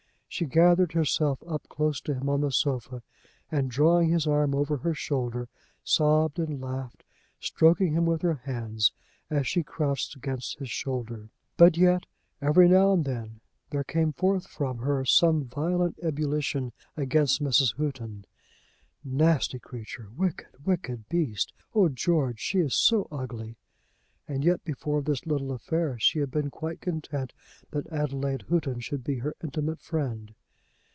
She gathered herself up close to him on the sofa, and drawing his arm over her shoulder, sobbed and laughed, stroking him with her hands as she crouched against his shoulder. But yet, every now and then, there came forth from her some violent ebullition against Mrs. Houghton. "Nasty creature! Wicked, wicked beast! Oh, George, she is so ugly!" And yet before this little affair, she had been quite content that Adelaide Houghton should be her intimate friend.